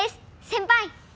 先輩！